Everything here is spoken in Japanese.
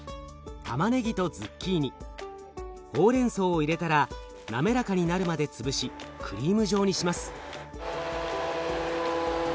たまねぎとズッキーニほうれんそうを入れたら滑らかになるまで潰しクリーム状にします。